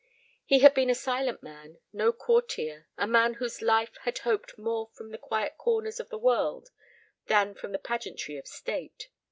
He had been a silent man, no courtier, a man whose life had hoped more from the quiet corners of the world than from the pageantry of state.